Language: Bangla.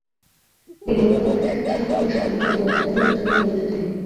বিনিয়োগকারীদের আকৃষ্ট করতে সংবাদমাধ্যমে শহরের বিজ্ঞাপন দেওয়ার চিন্তাভাবনাও চলছে বলে জানিয়েছেন তিনি।